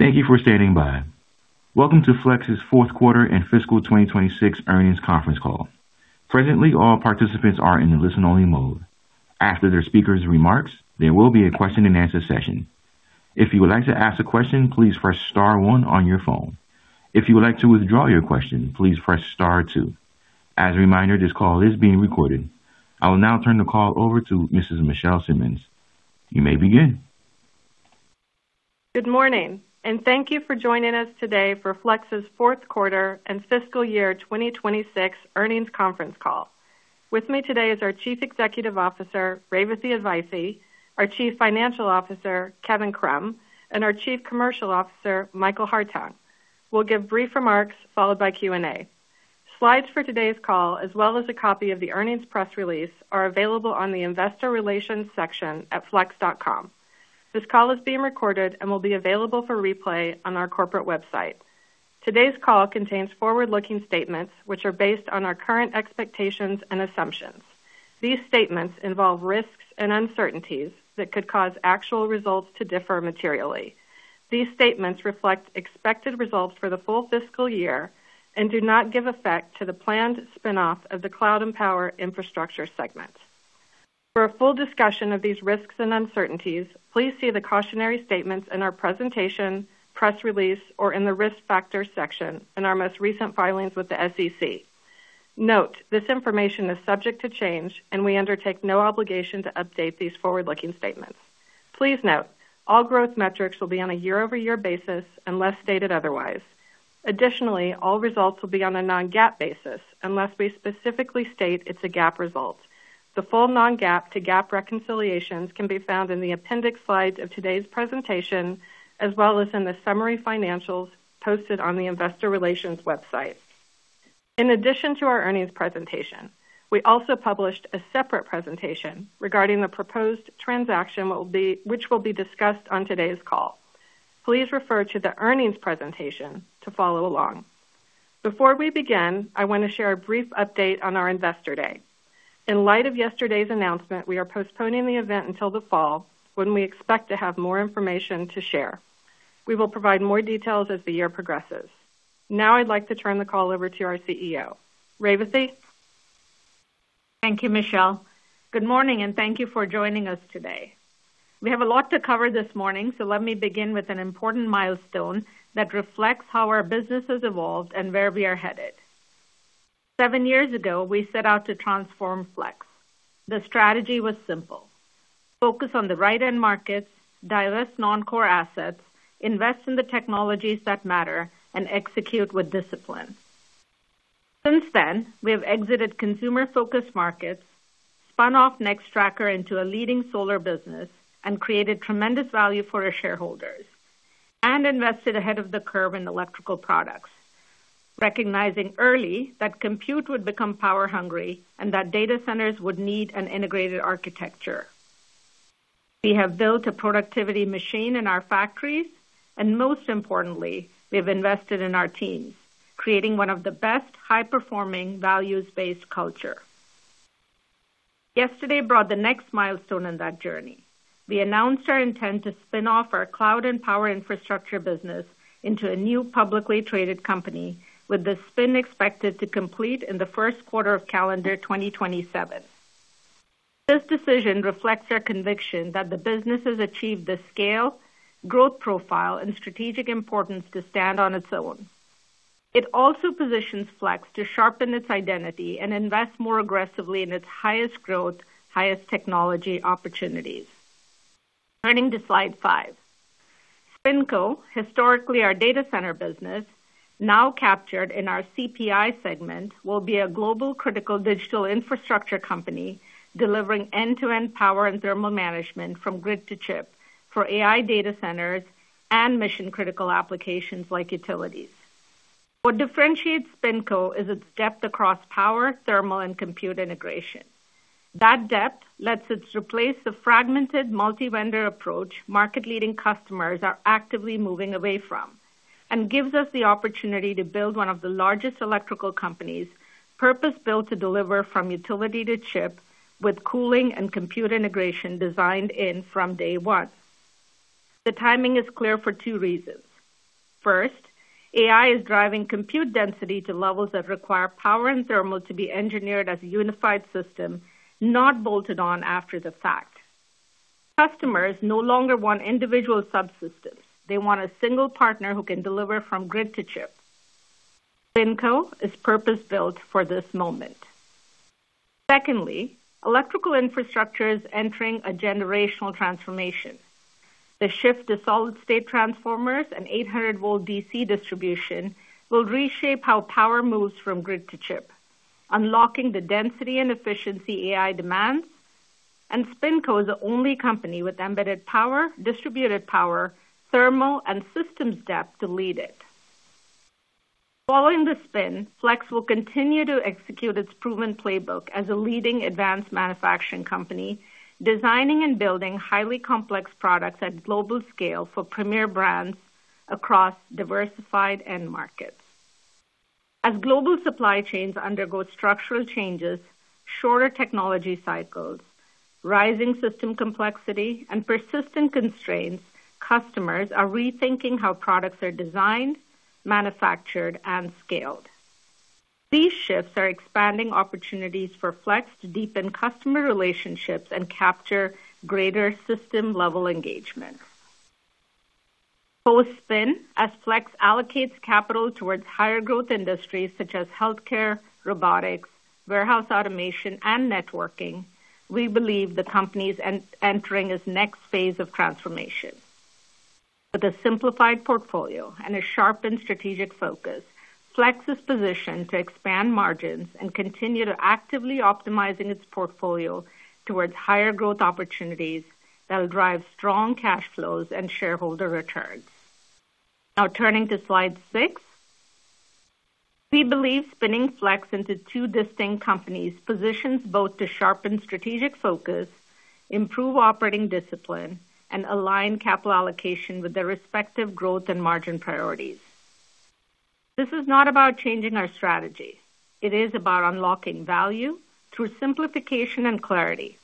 Thank you for standing by. Welcome to Flex's fourth quarter and fiscal 2026 earnings conference call. Presently, all participants are in listen-only mode. After the speaker's remarks, there will be a Q&A session. If you would like to ask a question, please press star one on your phone. If you would like to withdraw your question, please press star two. As a reminder, this call is being recorded. I will now turn the call over to Mrs. Michelle Simmons. You may begin. Good morning, thank you for joining us today for Flex's fourth quarter and fiscal year 2026 earnings conference call. With me today is our Chief Executive Officer, Revathi Advaithi, our Chief Financial Officer, Kevin Krumm, and our Chief Commercial Officer, Michael Hartung. We'll give brief remarks followed by Q&A. Slides for today's call, as well as a copy of the earnings press release, are available on the investor relations section at flex.com. This call is being recorded and will be available for replay on our corporate website. Today's call contains forward-looking statements which are based on our current expectations and assumptions. These statements involve risks and uncertainties that could cause actual results to differ materially. These statements reflect expected results for the full fiscal year and do not give effect to the planned spin-off of the Cloud and Power Infrastructure segment. For a full discussion of these risks and uncertainties, please see the cautionary statements in our presentation, press release, or in the Risk Factors section in our most recent filings with the SEC. Note this information is subject to change, and we undertake no obligation to update these forward-looking statements. Please note all growth metrics will be on a year-over-year basis unless stated otherwise. Additionally, all results will be on a non-GAAP basis unless we specifically state it's a GAAP result. The full non-GAAP to GAAP reconciliations can be found in the appendix slides of today's presentation, as well as in the summary financials posted on the investor relations website. In addition to our earnings presentation, we also published a separate presentation regarding the proposed transaction which will be discussed on today's call. Please refer to the earnings presentation to follow along. Before we begin, I want to share a brief update on our Investor Day. In light of yesterday's announcement, we are postponing the event until the fall, when we expect to have more information to share. We will provide more details as the year progresses. Now I'd like to turn the call over to our CEO. Revathi. Thank you, Michelle. Good morning, and thank you for joining us today. We have a lot to cover this morning, so let me begin with an important milestone that reflects how our business has evolved and where we are headed. Seven years ago, we set out to transform Flex. The strategy was simple. Focus on the right end markets, divest non-core assets, invest in the technologies that matter, and execute with discipline. Since then, we have exited consumer-focused markets, spun off Nextracker into a leading solar business, and created tremendous value for our shareholders, and invested ahead of the curve in electrical products, recognizing early that compute would become power-hungry and that data centers would need an integrated architecture. We have built a productivity machine in our factories, and most importantly, we have invested in our teams, creating one of the best high-performing values-based culture. Yesterday brought the next milestone in that journey. We announced our intent to spin off our Cloud and Power Infrastructure business into a new publicly traded company, with the spin expected to complete in the first quarter of calendar 2027. This decision reflects our conviction that the business has achieved the scale, growth profile, and strategic importance to stand on its own. It also positions Flex to sharpen its identity and invest more aggressively in its highest growth, highest technology opportunities. Turning to slide five. SpinCo, historically our data center business, now captured in our CPI segment, will be a global critical digital infrastructure company delivering end-to-end power and thermal management from grid to chip for AI data centers and mission-critical applications like utilities. What differentiates SpinCo is its depth across power, thermal, and compute integration. That depth lets us replace the fragmented multi-vendor approach market-leading customers are actively moving away from and gives us the opportunity to build one of the largest electrical companies purpose-built to deliver from utility to chip with cooling and compute integration designed in from day one. The timing is clear for two reasons. First, AI is driving compute density to levels that require power and thermal to be engineered as a unified system, not bolted on after the fact. Customers no longer want individual subsystems. They want a single partner who can deliver from grid to chip. SpinCo is purpose-built for this moment. Secondly, electrical infrastructure is entering a generational transformation. The shift to solid-state transformers and 800 volt DC distribution will reshape how power moves from grid to chip, unlocking the density and efficiency AI demands. SpinCo is the only company with embedded power, distributed power, thermal, and systems depth to lead it. Following the spin, Flex will continue to execute its proven playbook as a leading advanced manufacturing company, designing and building highly complex products at global scale for premier brands across diversified end markets. Global supply chains undergo structural changes, shorter technology cycles, rising system complexity, and persistent constraints, customers are rethinking how products are designed, manufactured, and scaled. These shifts are expanding opportunities for Flex to deepen customer relationships and capture greater system-level engagement. Post-spin, as Flex allocates capital towards higher growth industries such as healthcare, robotics, warehouse automation, and networking, we believe the company is entering its next phase of transformation. With a simplified portfolio and a sharpened strategic focus, Flex is positioned to expand margins and continue to actively optimizing its portfolio towards higher growth opportunities that will drive strong cash flows and shareholder returns. Turning to slide six. We believe spinning Flex into two distinct companies positions both to sharpen strategic focus, improve operating discipline, and align capital allocation with their respective growth and margin priorities. This is not about changing our strategy. It is about unlocking value through simplification and clarity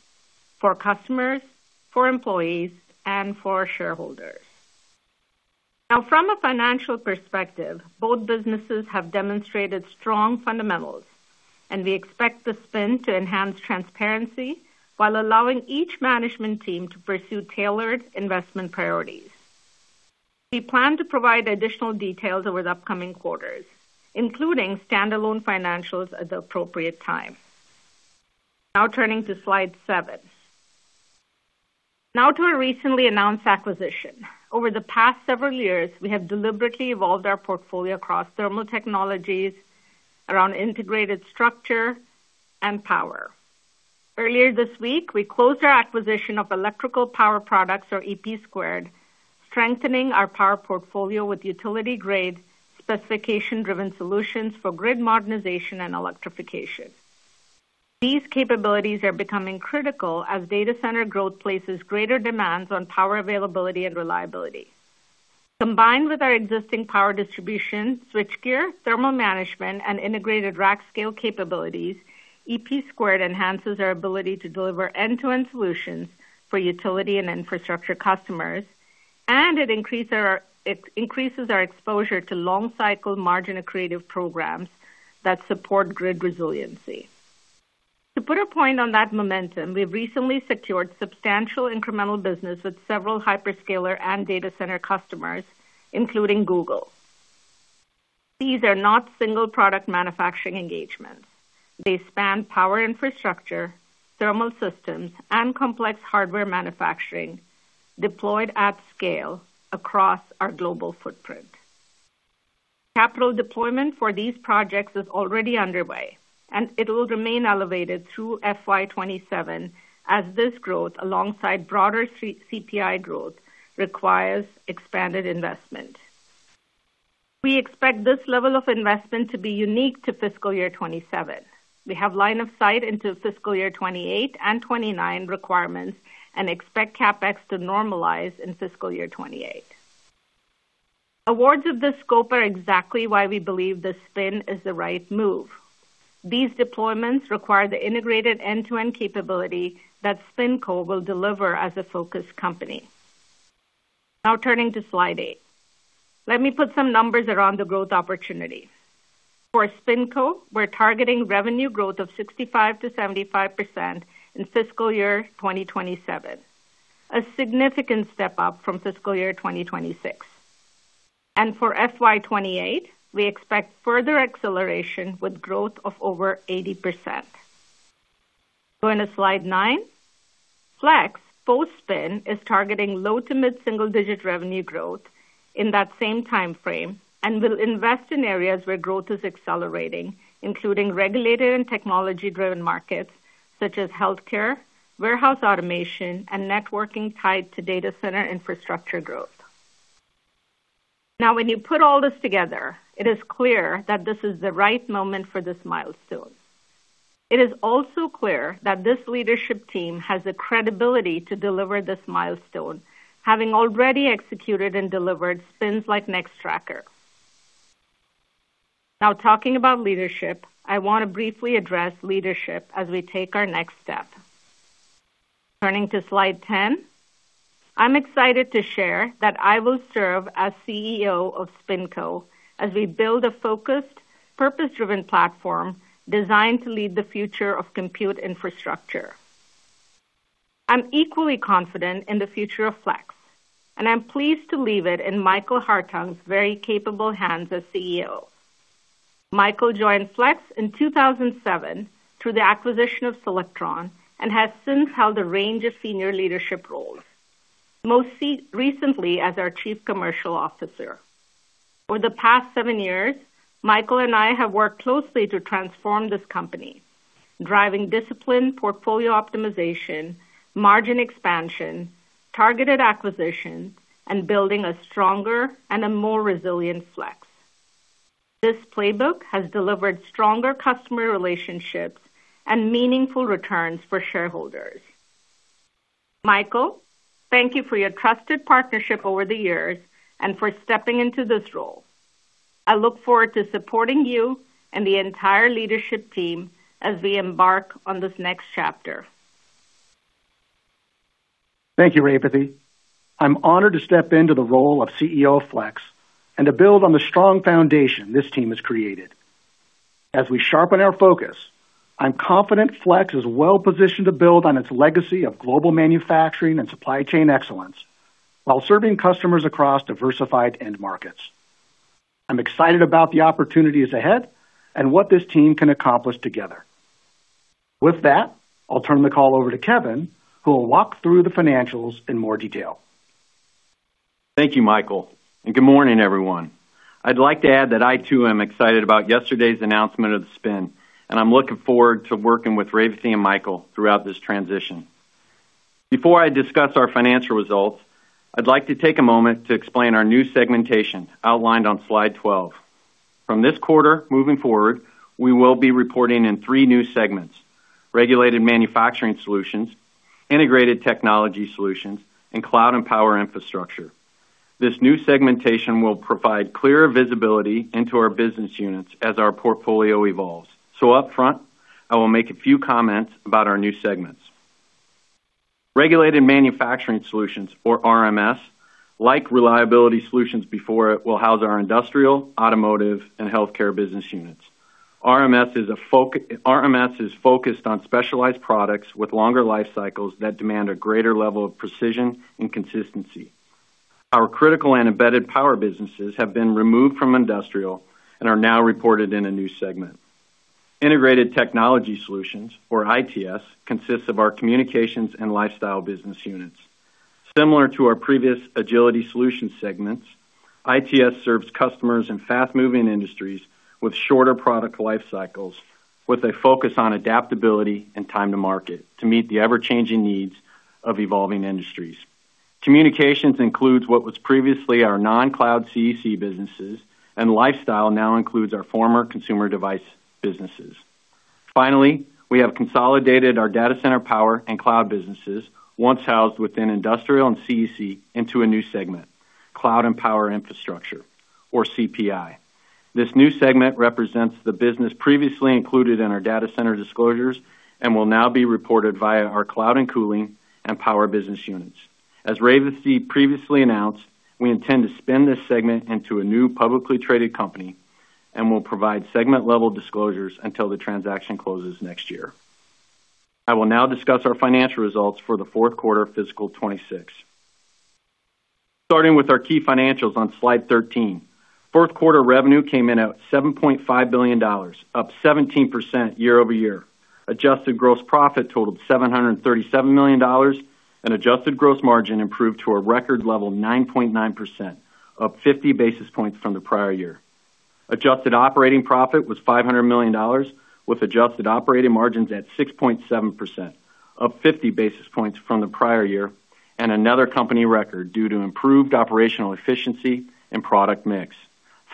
for customers, for employees, and for shareholders. From a financial perspective, both businesses have demonstrated strong fundamentals, and we expect the spin to enhance transparency while allowing each management team to pursue tailored investment priorities. We plan to provide additional details over the upcoming quarters, including standalone financials at the appropriate time. Turning to slide seven. To a recently announced acquisition. Over the past several years, we have deliberately evolved our portfolio across thermal technologies, around integrated structure, and power. Earlier this week, we closed our acquisition of Electrical Power Products or EP², strengthening our power portfolio with utility-grade specification-driven solutions for grid modernization and electrification. These capabilities are becoming critical as data center growth places greater demands on power availability and reliability. Combined with our existing power distribution, switchgear, thermal management, and integrated rack scale capabilities, EP² enhances our ability to deliver end-to-end solutions for utility and infrastructure customers, and it increases our exposure to long cycle margin accretive programs that support grid resiliency. To put a point on that momentum, we've recently secured substantial incremental business with several hyperscaler and data center customers, including Google. These are not single product manufacturing engagements. They span power infrastructure, thermal systems, and complex hardware manufacturing deployed at scale across our global footprint. Capital deployment for these projects is already underway, it will remain elevated through FY 2027 as this growth, alongside broader CPI growth, requires expanded investment. We expect this level of investment to be unique to fiscal year 2027. We have line of sight into fiscal year 2028 and 29 requirements and expect CapEx to normalize in fiscal year 2028. Awards of this scope are exactly why we believe the spin is the right move. These deployments require the integrated end-to-end capability that SpinCo will deliver as a focus company. Turning to slide eight. Let me put some numbers around the growth opportunity. For SpinCo, we're targeting revenue growth of 65%-75% in fiscal year 2027, a significant step up from fiscal year 2026. For FY 2028, we expect further acceleration with growth of over 80%. Going to slide nine. Flex, post-spin, is targeting low to mid-single-digit revenue growth in that same timeframe and will invest in areas where growth is accelerating, including regulated and technology-driven markets such as healthcare, warehouse automation, and networking tied to data center infrastructure growth. When you put all this together, it is clear that this is the right moment for this milestone. It is also clear that this leadership team has the credibility to deliver this milestone, having already executed and delivered spins like Nextracker. Talking about leadership, I want to briefly address leadership as we take our next step. Turning to slide 10. I'm excited to share that I will serve as CEO of SpinCo as we build a focused, purpose-driven platform designed to lead the future of compute infrastructure. I'm equally confident in the future of Flex, and I'm pleased to leave it in Michael Hartung's very capable hands as CEO. Michael joined Flex in 2007 through the acquisition of Solectron and has since held a range of senior leadership roles, most recently as our Chief Commercial Officer. Over the past seven years, Michael and I have worked closely to transform this company, driving disciplined portfolio optimization, margin expansion, targeted acquisition, and building a stronger and a more resilient Flex. This playbook has delivered stronger customer relationships and meaningful returns for shareholders. Michael, thank you for your trusted partnership over the years and for stepping into this role. I look forward to supporting you and the entire leadership team as we embark on this next chapter. Thank you, Revathi. I'm honored to step into the role of CEO of Flex and to build on the strong foundation this team has created. As we sharpen our focus, I'm confident Flex is well-positioned to build on its legacy of global manufacturing and supply chain excellence while serving customers across diversified end markets. I'm excited about the opportunities ahead and what this team can accomplish together. With that, I'll turn the call over to Kevin Krumm, who will walk through the financials in more detail. Thank you, Michael, and good morning, everyone. I'd like to add that I too am excited about yesterday's announcement of the spin, and I'm looking forward to working with Revathi and Michael throughout this transition. Before I discuss our financial results, I'd like to take a moment to explain our new segmentation outlined on slide 12. From this quarter moving forward, we will be reporting in three new segments: Regulated Manufacturing Solutions, Integrated Technology Solutions, and Cloud and Power Infrastructure. This new segmentation will provide clearer visibility into our business units as our portfolio evolves. Upfront, I will make a few comments about our new segments. Regulated Manufacturing Solutions, or RMS, like Reliability Solutions before it, will house our industrial, automotive, and healthcare business units. RMS is focused on specialized products with longer life cycles that demand a greater level of precision and consistency. Our critical and embedded power businesses have been removed from Industrial and are now reported in a new segment. Integrated Technology Solutions, or ITS, consists of our Communications and Lifestyle business units. Similar to our previous Agility Solutions segments, ITS serves customers in fast-moving industries with shorter product life cycles, with a focus on adaptability and time to market to meet the ever-changing needs of evolving industries. Communications includes what was previously our non-cloud CEC businesses, and Lifestyle now includes our former consumer device businesses. Finally, we have consolidated our data center power and cloud businesses, once housed within Industrial and CEC, into a new segment, Cloud and Power Infrastructure, or CPI. This new segment represents the business previously included in our data center disclosures and will now be reported via our Cloud and cooling and power business units. As Revathi previously announced, we intend to spin this segment into a new publicly traded company and will provide segment-level disclosures until the transaction closes next year. I will now discuss our financial results for the fourth quarter of fiscal 2026. Starting with our key financials on slide 13. Fourth quarter revenue came in at $7.5 billion, up 17% year-over-year. Adjusted gross profit totaled $737 million, and adjusted gross margin improved to a record level 9.9%, up 50 basis points from the prior year. Adjusted operating profit was $500 million, with adjusted operating margins at 6.7%, up 50 basis points from the prior year, and another company record due to improved operational efficiency and product mix.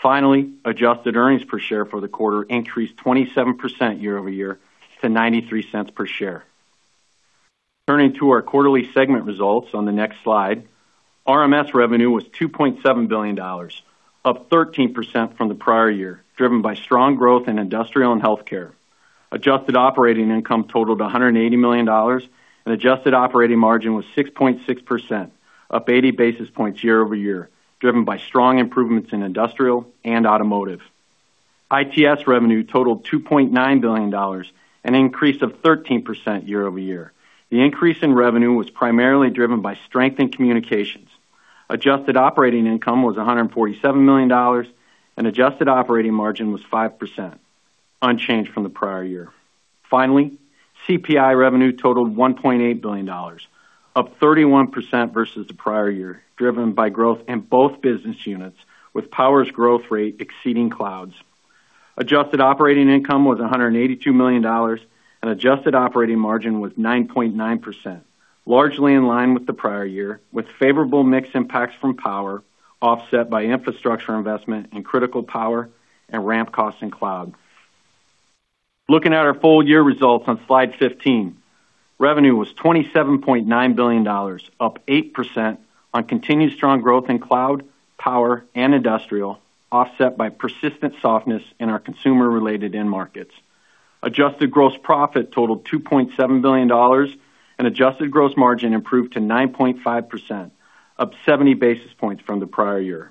Finally, adjusted earnings per share for the quarter increased 27% year-over-year to $0.93 per share. Turning to our quarterly segment results on the next slide. RMS revenue was $2.7 billion, up 13% from the prior year, driven by strong growth in industrial and healthcare. Adjusted operating income totaled $180 million, and adjusted operating margin was 6.6%, up 80 basis points year-over-year, driven by strong improvements in industrial and automotive. ITS revenue totaled $2.9 billion, an increase of 13% year-over-year. The increase in revenue was primarily driven by strength in communications. Adjusted operating income was $147 million, and adjusted operating margin was 5%, unchanged from the prior year. Finally, CPI revenue totaled $1.8 billion, up 31% versus the prior year, driven by growth in both business units, with Power's growth rate exceeding Cloud's. Adjusted operating income was $182 million, and adjusted operating margin was 9.9%, largely in line with the prior year, with favorable mix impacts from Power offset by infrastructure investment in critical Power and ramp costs in Cloud. Looking at our full-year results on slide 15. Revenue was $27.9 billion, up 8% on continued strong growth in Cloud, Power, and Industrial, offset by persistent softness in our consumer-related end markets. Adjusted gross profit totaled $2.7 billion, and adjusted gross margin improved to 9.5%, up 70 basis points from the prior year.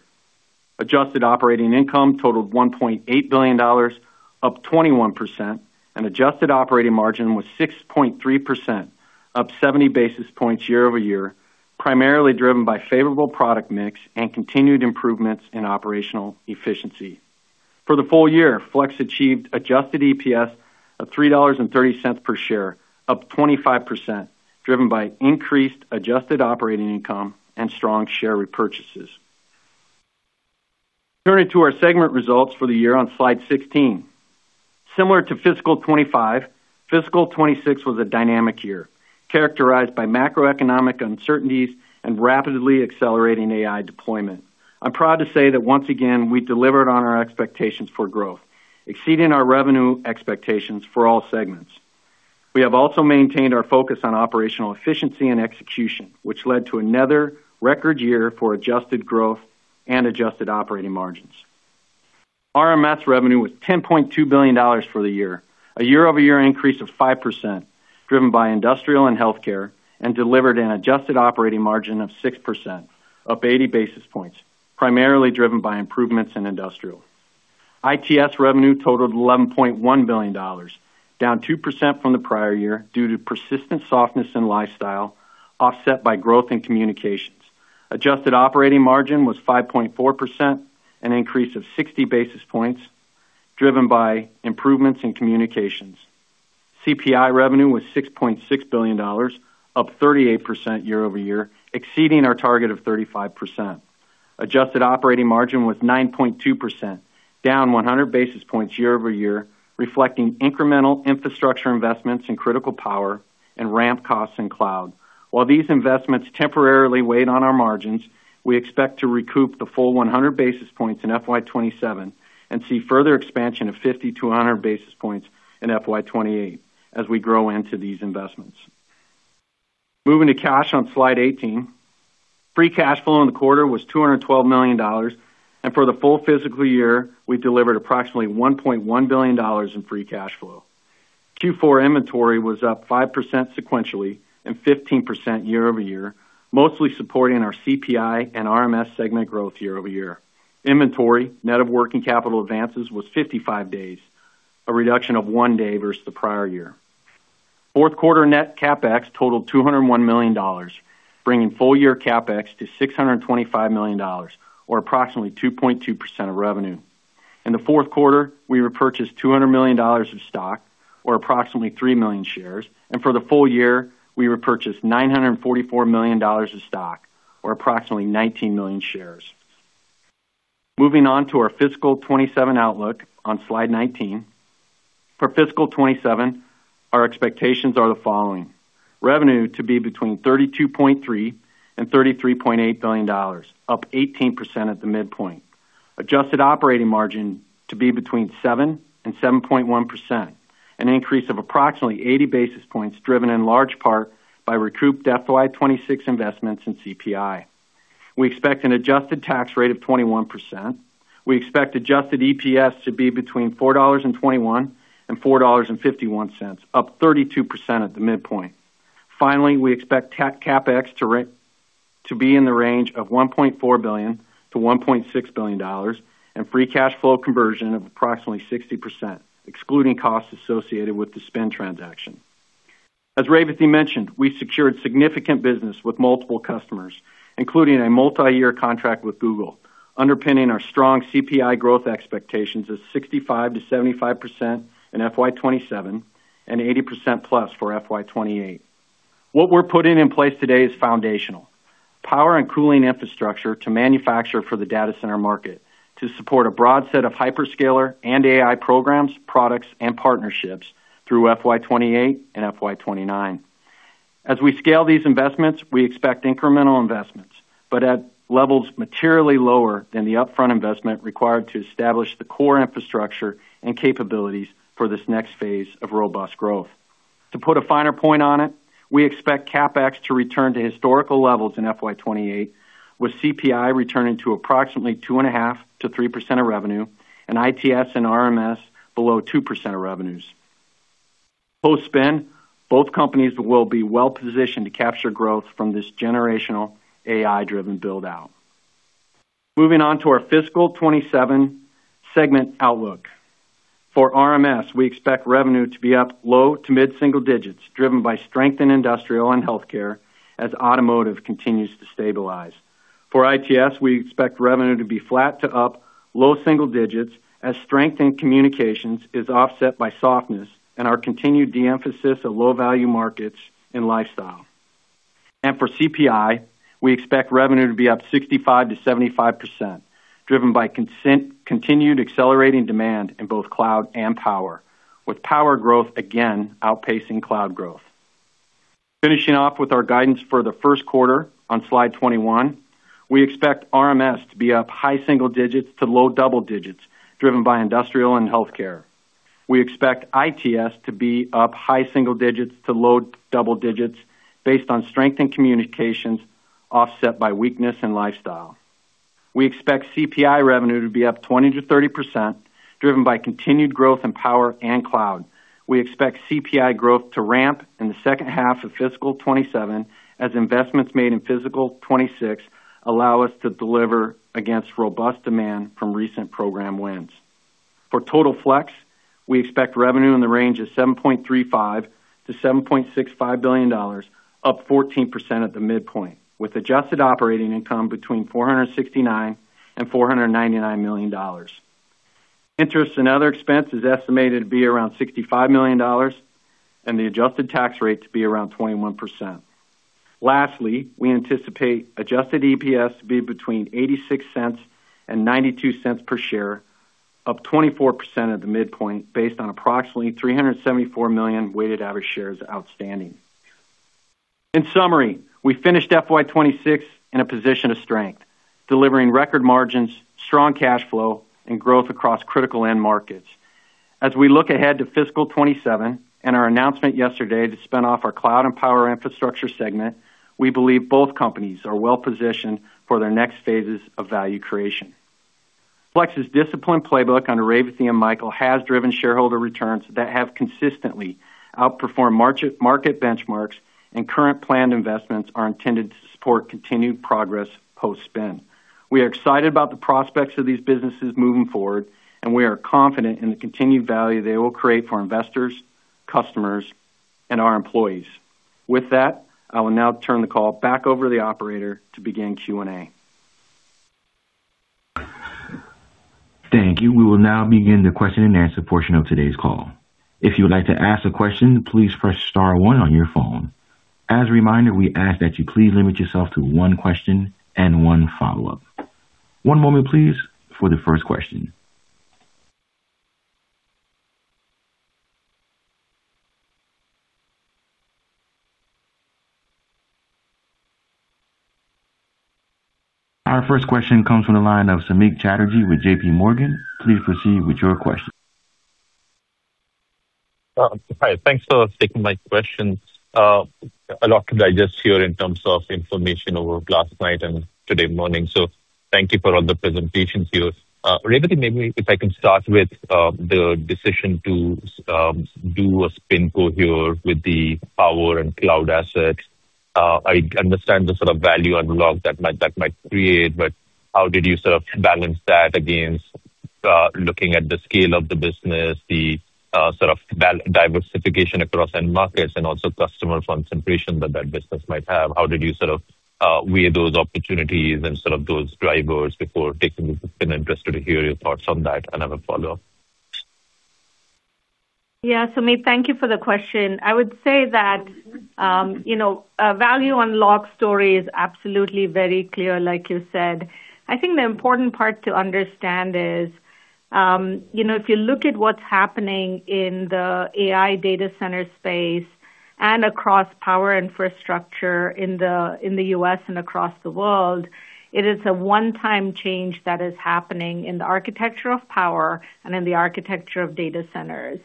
Adjusted operating income totaled $1.8 billion, up 21%, and adjusted operating margin was 6.3%, up 70 basis points year-over-year, primarily driven by favorable product mix and continued improvements in operational efficiency. For the full year, Flex achieved adjusted EPS of $3.30 per share, up 25%, driven by increased adjusted operating income and strong share repurchases. Turning to our segment results for the year on slide 16. Similar to fiscal 2025, fiscal 2026 was a dynamic year, characterized by macroeconomic uncertainties and rapidly accelerating AI deployment. I'm proud to say that once again, we delivered on our expectations for growth, exceeding our revenue expectations for all segments. We have also maintained our focus on operational efficiency and execution, which led to another record year for adjusted growth and adjusted operating margins. RMS revenue was $10.2 billion for the year, a year-over-year increase of 5%, driven by Industrial and Healthcare, and delivered an adjusted operating margin of 6%, up 80 basis points, primarily driven by improvements in Industrial. ITS revenue totaled $11.1 billion, down 2% from the prior year due to persistent softness in Lifestyle, offset by growth in Communications. Adjusted operating margin was 5.4%, an increase of 60 basis points, driven by improvements in Communications. CPI revenue was $6.6 billion, up 38% year-over-year, exceeding our target of 35%. Adjusted operating margin was 9.2%, down 100 basis points year-over-year, reflecting incremental infrastructure investments in critical power and ramp costs in cloud. While these investments temporarily weighed on our margins, we expect to recoup the full 100 basis points in FY 2027 and see further expansion of 50-100 basis points in FY 2028 as we grow into these investments. Moving to cash on slide 18. Free cash flow in the quarter was $212 million, and for the full fiscal year, we delivered approximately $1.1 billion in free cash flow. Q4 inventory was up 5% sequentially and 15% year-over-year, mostly supporting our CPI and RMS segment growth year-over-year. Inventory net of working capital advances was 55 days, a reduction of one day versus the prior year. Fourth quarter net CapEx totaled $201 million, bringing full year CapEx to $625 million, or approximately 2.2% of revenue. In the fourth quarter, we repurchased $200 million of stock, or approximately 3 million shares. For the full year, we repurchased $944 million of stock, or approximately 19 million shares. Moving on to our fiscal 2027 outlook on slide 19. For fiscal 2027, our expectations are the following: revenue to be between $32.3 billion and $33.8 billion, up 18% at the midpoint. Adjusted operating margin to be between 7% and 7.1%, an increase of approximately 80 basis points, driven in large part by recouped FY 2026 investments in CPI. We expect an adjusted tax rate of 21%. We expect adjusted EPS to be between $4.21 and $4.51, up 32% at the midpoint. Finally, we expect CapEx to be in the range of $1.4 billion-$1.6 billion, and free cash flow conversion of approximately 60%, excluding costs associated with the spin transaction. As Revathi mentioned, we secured significant business with multiple customers, including a multi-year contract with Google, underpinning our strong CPI growth expectations of 65%-75% in FY 2027 and 80%+ for FY 2028. What we're putting in place today is foundational. Power and cooling infrastructure to manufacture for the data center market to support a broad set of hyperscaler and AI programs, products, and partnerships through FY 2028 and FY 2029. As we scale these investments, we expect incremental investments, but at levels materially lower than the upfront investment required to establish the core infrastructure and capabilities for this next phase of robust growth. To put a finer point on it, we expect CapEx to return to historical levels in FY 2028, with CPI returning to approximately 2.5%-3% of revenue, and ITS and RMS below 2% of revenues. Post-spin, both companies will be well-positioned to capture growth from this generational AI-driven build-out. Moving on to our fiscal 2027 segment outlook. For RMS, we expect revenue to be up low to mid-single digits, driven by strength in industrial and healthcare as automotive continues to stabilize. For ITS, we expect revenue to be flat to up low single digits as strength in communications is offset by softness and our continued de-emphasis of low-value markets and lifestyle. For CPI, we expect revenue to be up 65%-75%, driven by continued accelerating demand in both cloud and power, with power growth again outpacing cloud growth. Finishing off with our guidance for the first quarter on slide 21, we expect RMS to be up high single digits to low double digits, driven by industrial and healthcare. We expect ITS to be up high single digits to low double digits based on strength in communications offset by weakness in lifestyle. We expect CPI revenue to be up 20%-30%, driven by continued growth in power and cloud. We expect CPI growth to ramp in the second half of FY 2027 as investments made in FY 2026 allow us to deliver against robust demand from recent program wins. For total Flex, we expect revenue in the range of $7.35 billion-$7.65 billion, up 14% at the midpoint, with adjusted operating income between $469 million and $499 million. Interest and other expense is estimated to be around $65 million, the adjusted tax rate to be around 21%. Lastly, we anticipate adjusted EPS to be between $0.86 and $0.92 per share, up 24% at the midpoint based on approximately 374 million weighted average shares outstanding. In summary, we finished FY 2026 in a position of strength, delivering record margins, strong cash flow, and growth across critical end markets. As we look ahead to FY 2027 and our announcement yesterday to spin off our Cloud and Power Infrastructure segment, we believe both companies are well-positioned for their next phases of value creation. Flex's disciplined playbook under Revathi Advaithi and Michael Hartung has driven shareholder returns that have consistently outperformed market benchmarks. Current planned investments are intended to support continued progress post-spin. We are excited about the prospects of these businesses moving forward, and we are confident in the continued value they will create for investors, customers, and our employees. With that, I will now turn the call back over to the operator to begin Q&A. Thank you. We will now begin the Q&A portion of today's call. If you would like to ask a question, please press star one on your phone. As a reminder, we ask that you please limit yourself to one question and one follow-up. One moment please for the first question. Our first question comes from the line of Samik Chatterjee with JPMorgan. Please proceed with your question. Hi, thanks for taking my questions. A lot to digest here in terms of information over last night and today morning, so thank you for all the presentations here. Revathi, maybe if I can start with the decision to do a SpinCo here with the power and cloud asset. I understand the sort of value unlock that might, that might create, but how did you sort of balance that against looking at the scale of the business, the sort of diversification across end markets and also customer concentration that that business might have? How did you sort of weigh those opportunities and sort of those drivers before taking the spin? I'm interested to hear your thoughts on that. Another follow-up. Samik, thank you for the question. I would say that, you know, a value unlock story is absolutely very clear, like you said. I think the important part to understand is, you know, if you look at what's happening in the AI data center space and across power infrastructure in the U.S. and across the world, it is a one-time change that is happening in the architecture of power and in the architecture of data centers.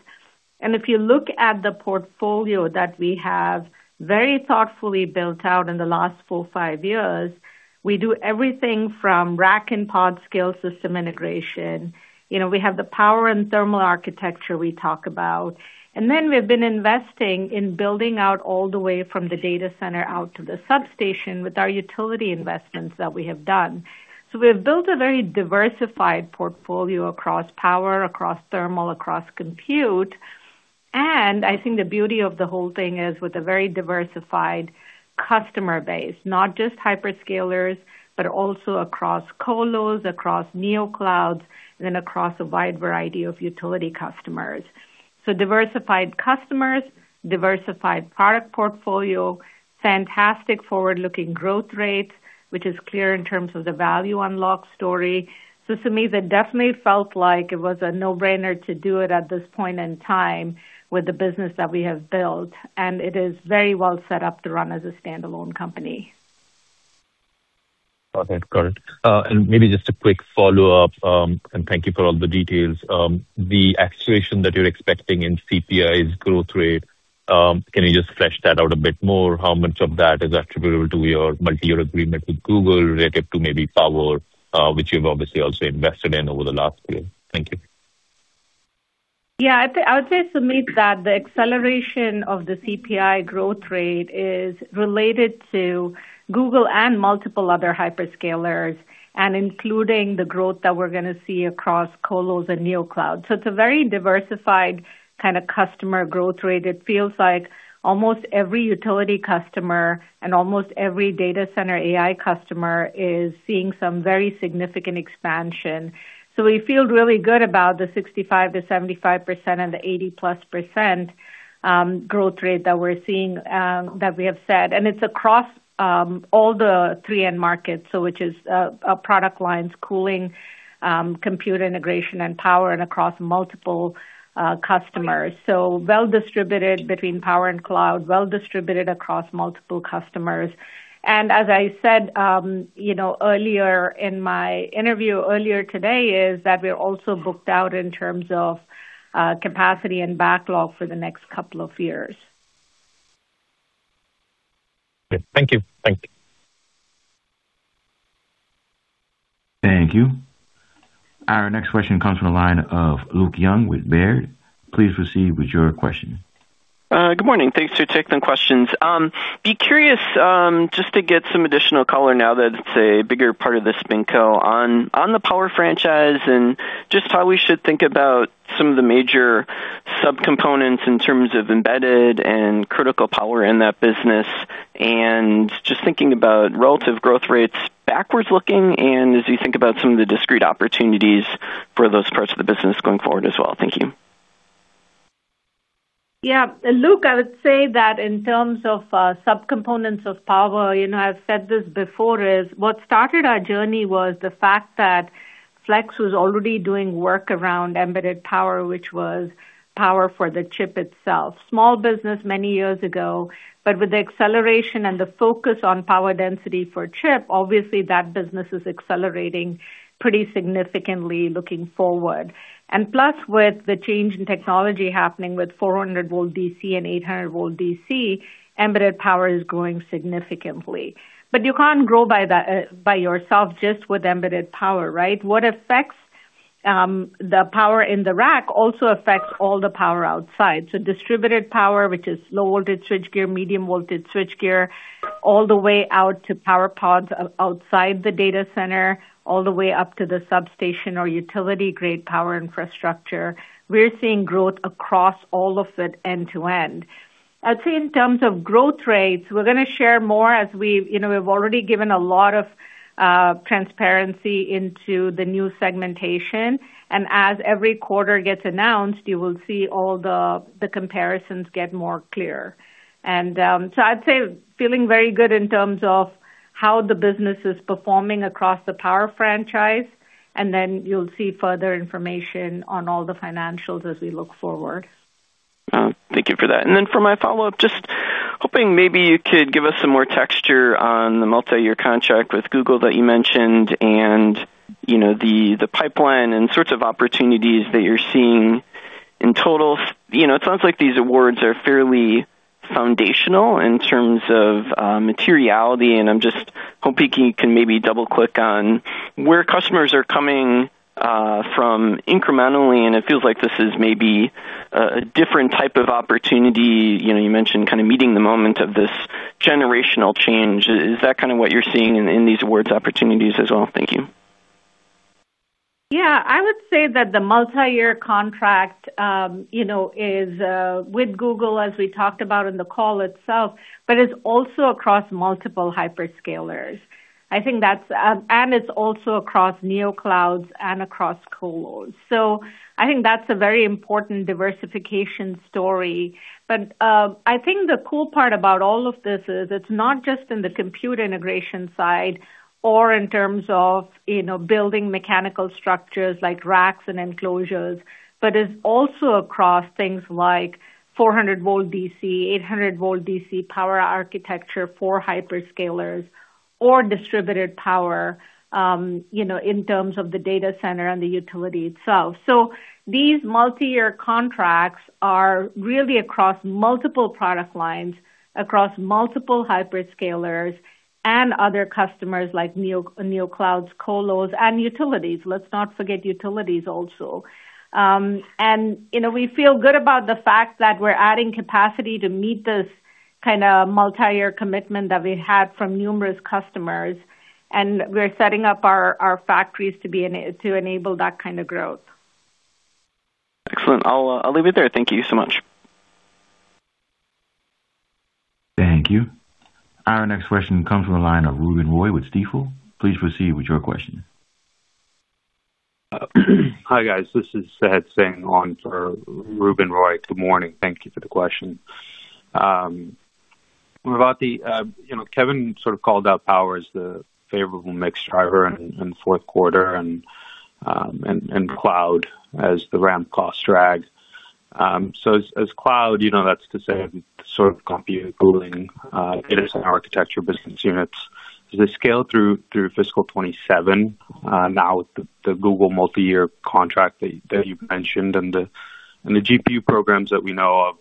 If you look at the portfolio that we have very thoughtfully built out in the last four, five years, we do everything from rack and pod scale system integration. You know, we have the power and thermal architecture we talk about. We've been investing in building out all the way from the data center out to the substation with our utility investments that we have done. We've built a very diversified portfolio across power, across thermal, across compute. I think the beauty of the whole thing is with a very diversified customer base, not just hyperscalers, but also across colos, across neoclouds, and then across a wide variety of utility customers. Diversified customers, diversified product portfolio, fantastic forward-looking growth rates, which is clear in terms of the value unlock story. Samik, it definitely felt like it was a no-brainer to do it at this point in time with the business that we have built, and it is very well set up to run as a standalone company. Perfect. Got it. Maybe just a quick follow-up, and thank you for all the details. The acceleration that you're expecting in CPI's growth rate, can you just flesh that out a bit more? How much of that is attributable to your multi-year agreement with Google related to maybe power, which you've obviously also invested in over the last year? Thank you. Yeah. I'd say, Samik, that the acceleration of the CPI growth rate is related to Google and multiple other hyperscalers, including the growth that we're going to see across colos and neoclouds. It's a very diversified kind of customer growth rate. It feels like almost every utility customer and almost every data center AI customer is seeing some very significant expansion. We feel really good about the 65%-75% and the 80%+ growth rate that we're seeing that we have said. It's across all the three end markets. Which is our product lines, cooling, computer integration and power and across multiple customers. Well-distributed between power and cloud, well-distributed across multiple customers. As I said, you know, earlier in my interview earlier today, is that we're also booked out in terms of capacity and backlog for the next two years. Great. Thank you. Thank you. Thank you. Our next question comes from the line of Luke Junk with Baird. Please proceed with your question. Good morning. Thanks for taking the questions. Be curious just to get some additional color now that it's a bigger part of the SpinCo on the power franchise and just how we should think about some of the major subcomponents in terms of embedded and critical power in that business. Just thinking about relative growth rates backwards looking, and as you think about some of the discrete opportunities for those parts of the business going forward as well. Thank you. Yeah. Luke, I would say that in terms of subcomponents of power, you know, I've said this before, is what started our journey was the fact that Flex was already doing work around embedded power, which was power for the chip itself. Small business many years ago, with the acceleration and the focus on power density for chip, obviously that business is accelerating pretty significantly looking forward. Plus, with the change in technology happening with 400 volt DC and 800 volt DC, embedded power is growing significantly. You can't grow by yourself just with embedded power, right? What affects the power in the rack also affects all the power outside. Distributed power, which is low voltage switchgear, medium voltage switchgear, all the way out to power pods outside the data center, all the way up to the substation or utility-grade power infrastructure. We're seeing growth across all of it end-to-end. I'd say in terms of growth rates, we're gonna share more as we've, you know, we've already given a lot of transparency into the new segmentation, and as every quarter gets announced, you will see all the comparisons get more clear. I'd say feeling very good in terms of how the business is performing across the power franchise, and then you'll see further information on all the financials as we look forward. Thank you for that. Then for my follow-up, just hoping maybe you could give us some more texture on the multi-year contract with Google that you mentioned and, you know, the pipeline and sorts of opportunities that you're seeing in total. You know, it sounds like these awards are fairly foundational in terms of materiality, and I'm just hoping you can maybe double-click on where customers are coming from incrementally, and it feels like this is maybe a different type of opportunity. You know, you mentioned kind of meeting the moment of this generational change. Is that kind of what you're seeing in these awards opportunities as well? Thank you. Yeah. I would say that the multi-year contract, you know, is with Google, as we talked about in the call itself, but it's also across multiple hyperscalers. It's also across neoclouds and across colos. I think that's a very important diversification story. I think the cool part about all of this is it's not just in the compute integration side or in terms of, you know, building mechanical structures like racks and enclosures, but it's also across things like 400 volt DC, 800 volt DC power architecture for hyperscalers or distributed power, you know, in terms of the data center and the utility itself. These multi-year contracts are really across multiple product lines, across multiple hyperscalers and other customers like neoclouds, colos, and utilities. Let's not forget utilities also. You know, we feel good about the fact that we're adding capacity to meet this kind of multi-year commitment that we have from numerous customers, and we're setting up our factories to enable that kind of growth. Excellent. I'll leave it there. Thank you so much. Thank you. Our next question comes from the line of Ruben Roy with Stifel. Please proceed with your question. Hi, guys. This is Seth standing on for Ruben Roy. Good morning. Thank you for the question. Revathi Advaithi, you know, Kevin Krumm sort of called out Power as the favorable mix driver in the fourth quarter and Cloud as the ramp cost drag. As Cloud, you know, that's to say sort of compute, cooling, data center architecture business units. As they scale through FY 2027, now with the Google multi-year contract that you've mentioned and the GPU programs that we know of,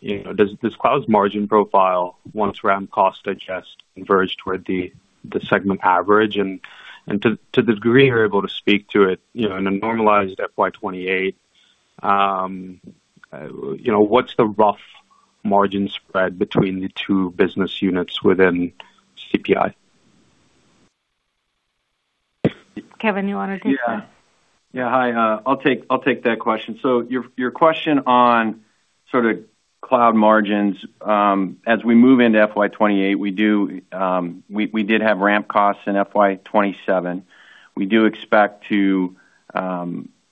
you know, does this Cloud's margin profile once ramp costs digest converge toward the segment average? To the degree you're able to speak to it, you know, in a normalized FY 2028, you know, what's the rough margin spread between the two business units within CPI? Kevin, you wanna take that? Yeah. Yeah, hi. I'll take that question. Your question on sort of cloud margins, as we move into FY 2028, we did have ramp costs in FY 2027. We do expect to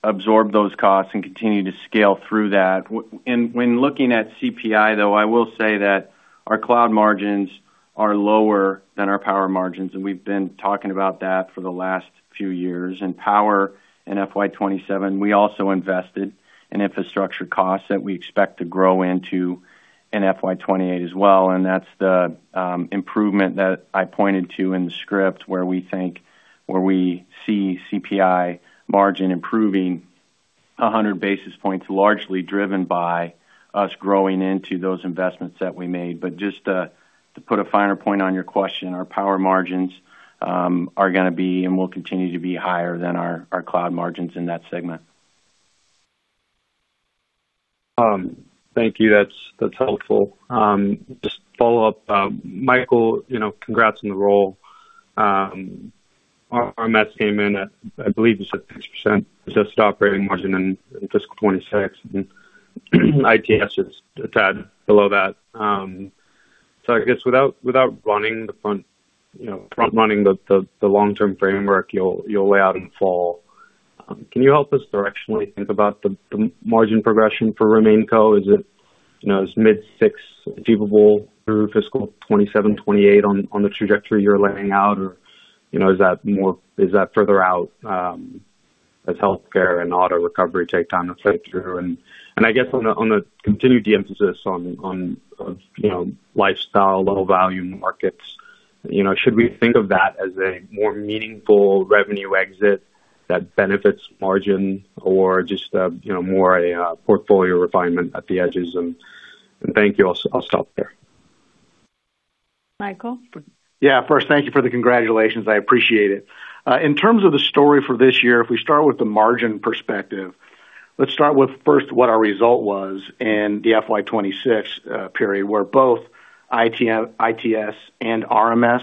absorb those costs and continue to scale through that. When looking at CPI though, I will say that our cloud margins are lower than our power margins, and we've been talking about that for the last few years. Power in FY 2027, we also invested in infrastructure costs that we expect to grow into in FY 2028 as well, and that's the improvement that I pointed to in the script where we see CPI margin improving 100 basis points, largely driven by us growing into those investments that we made. Just to put a finer point on your question, our power margins are gonna be and will continue to be higher than our cloud margins in that segment. Thank you. That's, that's helpful. Just to follow up, Michael, you know, congrats on the role. RMS came in at, I believe you said 6% operating margin in FY 2026, and ITS is a tad below that. I guess without front running the long-term framework you'll lay out in fall, can you help us directionally think about the margin progression for RemainCo? You know, is mid 6% achievable through FY 2027, FY 2028 on the trajectory you're laying out? You know, is that further out as healthcare and auto recovery take time to filter? I guess on the continued de-emphasis on, you know, lifestyle, low-value markets, you know, should we think of that as a more meaningful revenue exit that benefits margin or just a, you know, more a portfolio refinement at the edges? Thank you. I'll stop there. Michael? Yeah. First, thank you for the congratulations. I appreciate it. In terms of the story for this year, if we start with the margin perspective, let's start with first what our result was in the FY 2026 period, where both ITS and RMS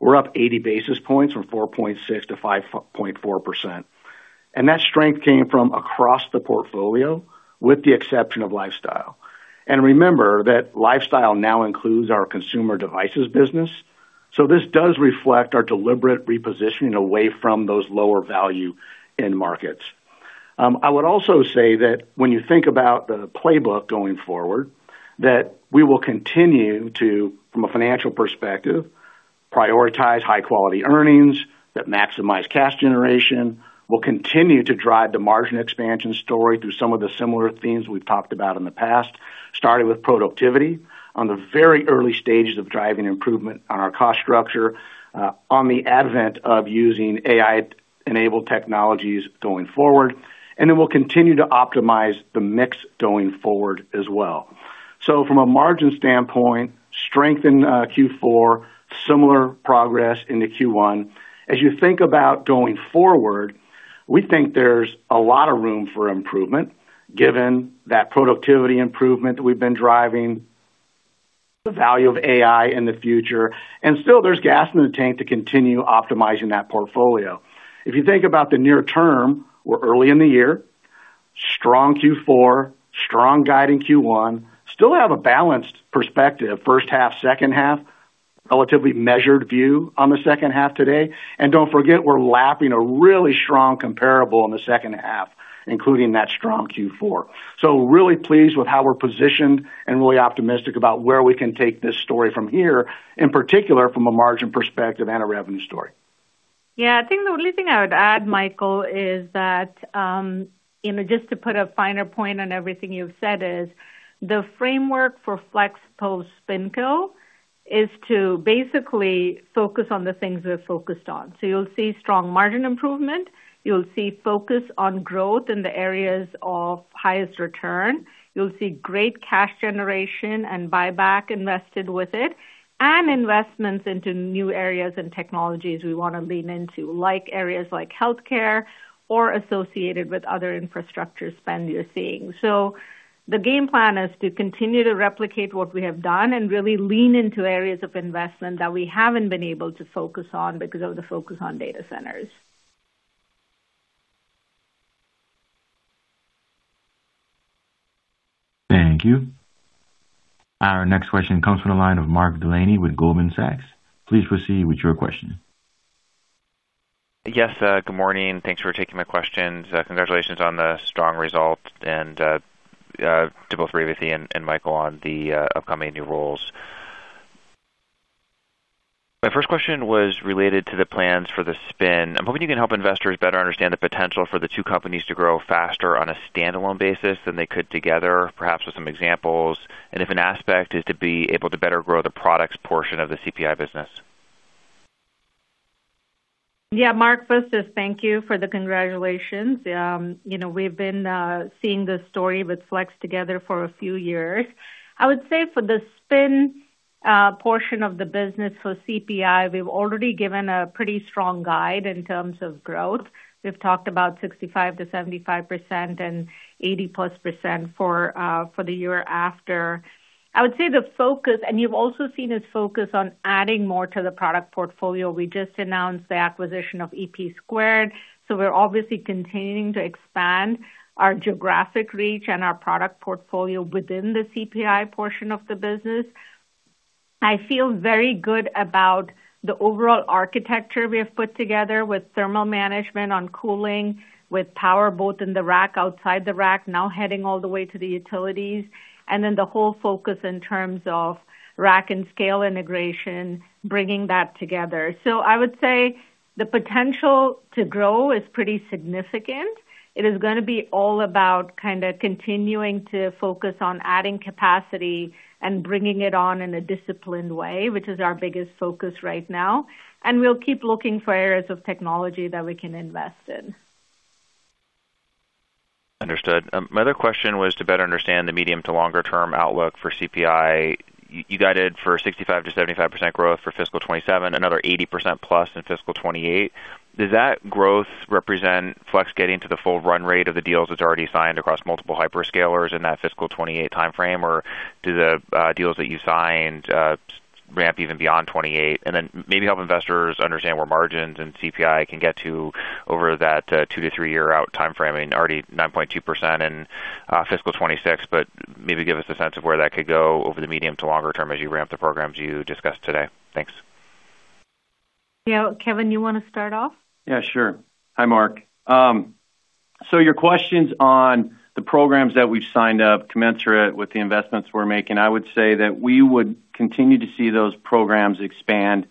were up 80 basis points from 4.6%-5.4%. That strength came from across the portfolio, with the exception of Lifestyle. Remember that Lifestyle now includes our Consumer Devices business, so this does reflect our deliberate repositioning away from those lower value end markets. I would also say that when you think about the playbook going forward, that we will continue to, from a financial perspective, prioritize high-quality earnings that maximize cash generation. We'll continue to drive the margin expansion story through some of the similar themes we've talked about in the past, starting with productivity on the very early stages of driving improvement on our cost structure, on the advent of using AI-enabled technologies going forward, and then we'll continue to optimize the mix going forward as well. From a margin standpoint, strength in Q4, similar progress into Q1. As you think about going forward, we think there's a lot of room for improvement given that productivity improvement we've been driving, the value of AI in the future, and still there's gas in the tank to continue optimizing that portfolio. If you think about the near term, we're early in the year. Strong Q4, strong guide in Q1. Still have a balanced perspective first half, second half. Relatively measured view on the second half today. Don't forget we're lapping a really strong comparable in the second half, including that strong Q4. Really pleased with how we're positioned and really optimistic about where we can take this story from here, in particular from a margin perspective and a revenue story. Yeah. I think the only thing I would add, Michael, is that, you know, just to put a finer point on everything you've said is the framework for Flex post SpinCo is to basically focus on the things we're focused on. You'll see strong margin improvement. You'll see focus on growth in the areas of highest return. You'll see great cash generation and buyback invested with it, and investments into new areas and technologies we want to lean into, like areas like healthcare or associated with other infrastructure spend you're seeing. The game plan is to continue to replicate what we have done and really lean into areas of investment that we haven't been able to focus on because of the focus on data centers. Thank you. Our next question comes from the line of Mark Delaney with Goldman Sachs. Please proceed with your question. Yes, good morning. Thanks for taking my questions. Congratulations on the strong results and to both Revathi and Michael on the upcoming new roles. My first question was related to the plans for the spin. I'm hoping you can help investors better understand the potential for the two companies to grow faster on a standalone basis than they could together, perhaps with some examples. If an aspect is to be able to better grow the products portion of the CPI business. Yeah. Mark, first, just thank you for the congratulations. You know, we've been seeing this story with Flex together for a few years. I would say for the spin portion of the business for CPI, we've already given a pretty strong guide in terms of growth. We've talked about 65%-75% and 80%+ for the year after. I would say the focus, and you've also seen us focus on adding more to the product portfolio. We just announced the acquisition of EP², so we're obviously continuing to expand our geographic reach and our product portfolio within the CPI portion of the business. I feel very good about the overall architecture we have put together with thermal management on cooling, with power both in the rack, outside the rack, now heading all the way to the utilities, and then the whole focus in terms of rack and scale integration, bringing that together. I would say the potential to grow is pretty significant. It is gonna be all about kind of continuing to focus on adding capacity and bringing it on in a disciplined way, which is our biggest focus right now. We'll keep looking for areas of technology that we can invest in. Understood. My other question was to better understand the medium to longer term outlook for CPI. You guided for 65%-75% growth for FY 2027, another 80%+ in FY 2028. Does that growth represent Flex getting to the full run rate of the deals it's already signed across multiple hyperscalers in that FY 2028 timeframe? Do the deals that you signed ramp even beyond 2028? Maybe help investors understand where margins and CPI can get to over that two to three year out timeframe. I mean, already 9.2% in FY 2026, maybe give us a sense of where that could go over the medium to longer term as you ramp the programs you discussed today. Thanks. Yeah, Kevin, you want to start off? Yeah, sure. Hi, Mark. Your questions on the programs that we've signed up commensurate with the investments we're making, I would say that we would continue to see those programs expand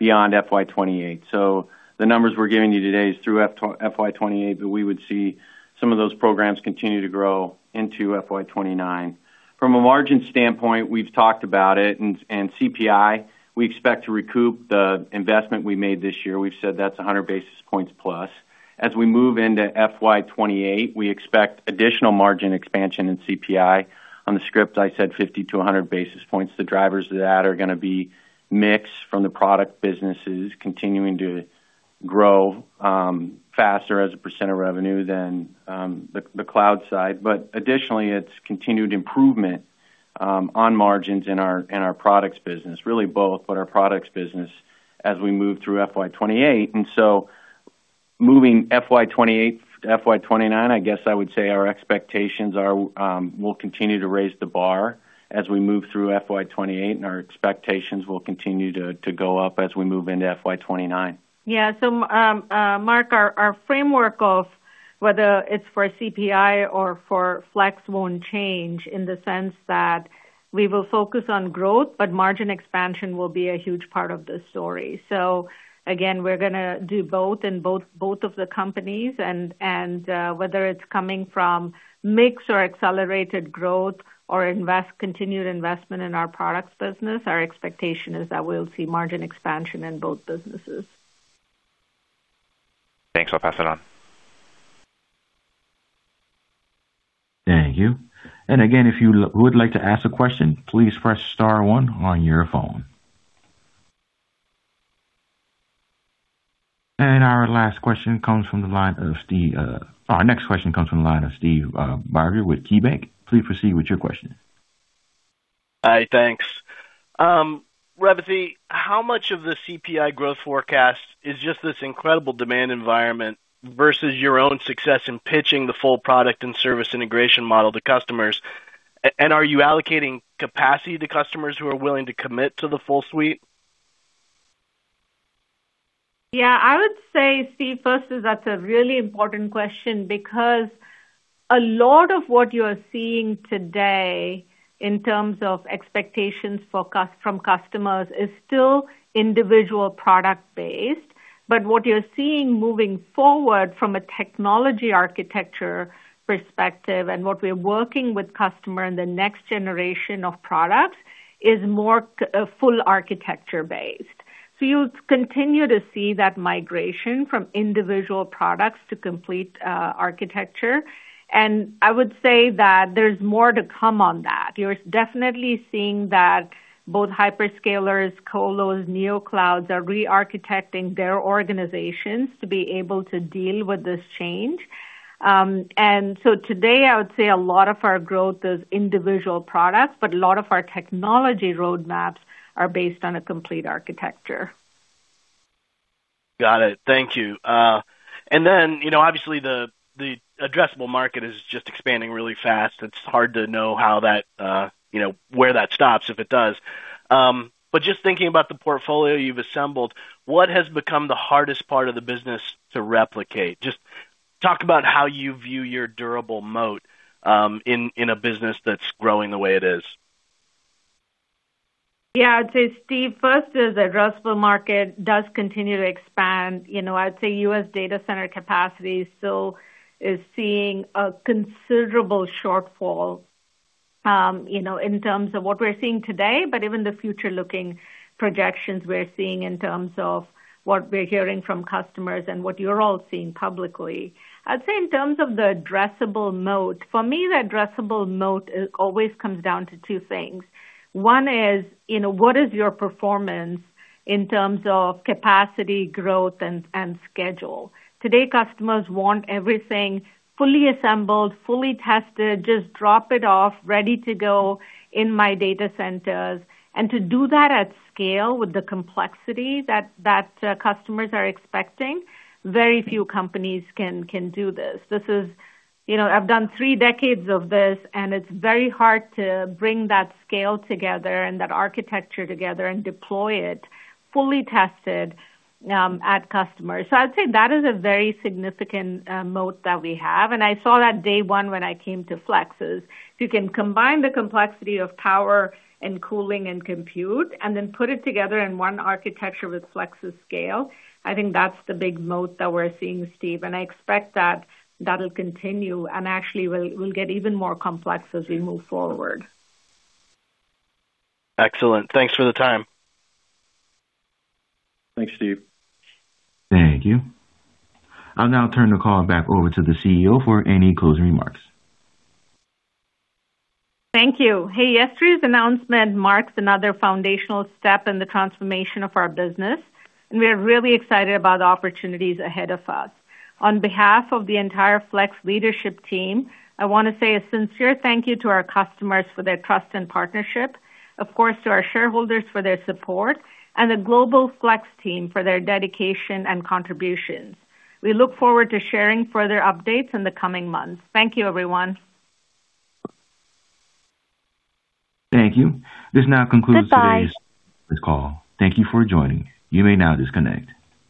beyond FY 2028. The numbers we're giving you today is through FY 2028, but we would see some of those programs continue to grow into FY 2029. From a margin standpoint, we've talked about it, and CPI, we expect to recoup the investment we made this year. We've said that's 100 basis points plus. As we move into FY 2028, we expect additional margin expansion in CPI. On the script, I said 50-100 basis points. The drivers of that are gonna be mix from the product businesses continuing to grow, faster as a % of revenue than the cloud side. Additionally, it's continued improvement on margins in our products business, really both, but our products business as we move through FY 2028. Moving FY 2028 to FY 2029, I guess I would say our expectations are, we'll continue to raise the bar as we move through FY 2028, and our expectations will continue to go up as we move into FY 2029. Mark, our framework of whether it's for CPI or for Flex won't change in the sense that we will focus on growth, but margin expansion will be a huge part of the story. Again, we're gonna do both in both of the companies and whether it's coming from mix or accelerated growth or continued investment in our products business, our expectation is that we'll see margin expansion in both businesses. Thanks. I'll pass it on. Thank you. Again, if you would like to ask a question, please press star one on your phone. Next question comes from the line of Steve Barger with KeyBanc. Please proceed with your question. Hi, thanks. Revathi, how much of the CPI growth forecast is just this incredible demand environment versus your own success in pitching the full product and service integration model to customers? Are you allocating capacity to customers who are willing to commit to the full suite? I would say, Steve, first is that's a really important question because a lot of what you are seeing today in terms of expectations from customers is still individual product based. What you're seeing moving forward from a technology architecture perspective and what we're working with customer in the next generation of products is more full architecture based. You'll continue to see that migration from individual products to complete architecture. I would say that there's more to come on that. You're definitely seeing that both hyperscalers, colos, neoclouds are re-architecting their organizations to be able to deal with this change. Today, I would say a lot of our growth is individual products, but a lot of our technology roadmaps are based on a complete architecture. Got it. Thank you. You know, obviously the addressable market is just expanding really fast. It's hard to know how that, you know, where that stops, if it does. Just thinking about the portfolio you've assembled, what has become the hardest part of the business to replicate? Just talk about how you view your durable moat in a business that's growing the way it is. I'd say, Steve, first is addressable market does continue to expand. You know, I'd say U.S. data center capacity still is seeing a considerable shortfall, you know, in terms of what we're seeing today, but even the future looking projections we're seeing in terms of what we're hearing from customers and what you're all seeing publicly. I'd say in terms of the addressable moat, for me, the addressable moat always comes down to two things. One is, you know, what is your performance in terms of capacity, growth, and schedule? Today, customers want everything fully assembled, fully tested, just drop it off, ready to go in my data centers. To do that at scale with the complexity that customers are expecting, very few companies can do this. You know, I've done three decades of this, and it's very hard to bring that scale together and that architecture together and deploy it fully tested at customers. I'd say that is a very significant moat that we have. I saw that day one when I came to Flex is you can combine the complexity of power and cooling and compute, and then put it together in one architecture with Flex's scale. I think that's the big moat that we're seeing, Steve, I expect that that'll continue and actually will get even more complex as we move forward. Excellent. Thanks for the time. Thanks, Steve. Thank you. I'll now turn the call back over to the CEO for any closing remarks. Thank you. Hey, yesterday's announcement marks another foundational step in the transformation of our business, and we are really excited about the opportunities ahead of us. On behalf of the entire Flex leadership team, I want to say a sincere thank you to our customers for their trust and partnership, of course, to our shareholders for their support and the global Flex team for their dedication and contributions. We look forward to sharing further updates in the coming months. Thank you, everyone. Thank you. Goodbye This now concludes today's call. Thank you for joining. You may now disconnect.